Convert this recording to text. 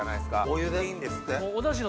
お湯でいいんですって。